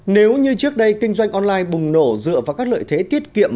nếu như trước đây kinh doanh online bùng nổ dựa vào các lợi thế tiết kiệm